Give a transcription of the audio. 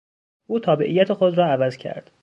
او تابعیت خود را عوض کرد.